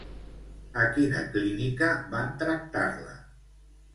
A quina clínica van tractar-la?